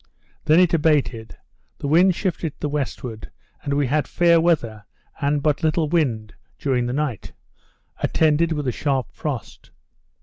Then it abated; the wind shifted to the westward; and we had fair weather, and but little wind, during the night; attended with a sharp frost.